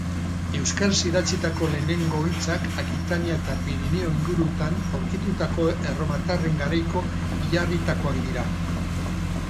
Euskaraz idatzitako lehenengo hitzak Akitania eta Pirinio inguruetan aurkitutako erromatarren garaiko hilarrietakoak dira